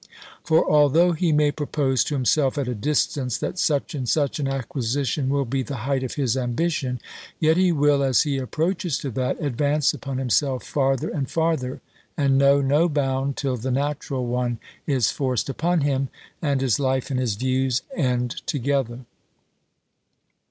For although he may propose to himself at a distance, that such and such an acquisition will be the height of his ambition; yet he will, as he approaches to that, advance upon himself farther and farther, and know no bound, till the natural one is forced upon him, and his life and his views end together.